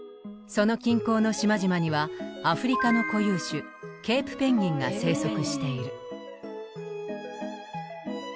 その近郊の島々にはアフリカの固有種ケープペンギンが生息している。